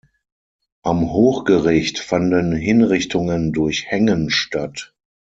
Am Hochgericht fanden Hinrichtungen durch Hängen statt.